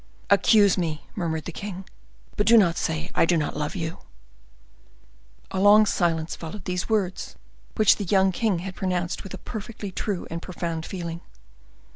"Accuse me," murmured the king, "but do not say I do not love you." A long silence followed these words, which the young king had pronounced with a perfectly true and profound feeling.